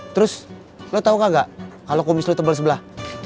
terus lu tau gak kalo kumis lu tebal sebelah